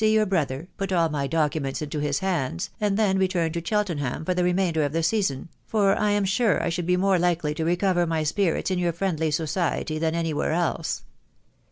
your brother, put all my documents into his hands, and then return to Cheltenham for the remainder of the season, for I am sure I should be more likely to recover my spirits in your friendly society than any where else.